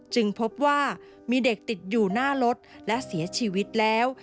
พบว่ามีเด็กติดอยู่หน้ารถและเสียชีวิตแล้ว